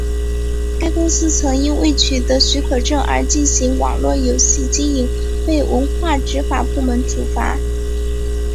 该公司曾因未取得许可证而进行网络游戏经营被文化执法部门处罚。